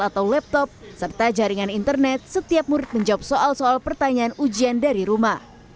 atau laptop serta jaringan internet setiap murid menjawab soal soal pertanyaan ujian dari rumah